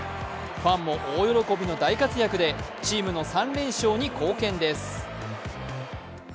ファンも大喜びの大活躍でチームの３連勝に貢献です。